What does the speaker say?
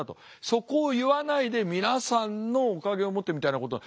そこを言わないで皆さんのおかげをもってみたいなことは。